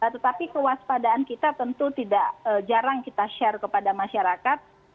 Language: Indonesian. tetapi kewaspadaan kita tentu tidak jarang kita share kepada masyarakat